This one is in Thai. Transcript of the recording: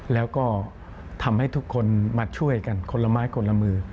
แล้วก็ทำให้ทุกคนมาช่วยกันคนละไม้คนละมือ